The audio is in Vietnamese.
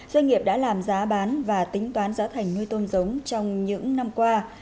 doanh nghiệp đã làm giá bán và tính toán giá thành nuôi tôm giống trong những năm qua